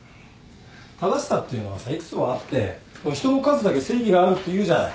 正しさっていうのはさ幾つもあって人の数だけ正義があるっていうじゃない。